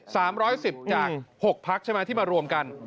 ๓๑๐จาก๖พักที่มารวมกัน